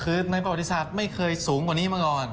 คือในประวัติศาสตร์ไม่เคยสูงกว่านี้มาก่อน